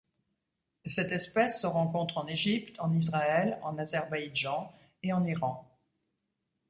Cette espèce se rencontre en Égypte, en Israël, en Azerbaïdjan et en Iran.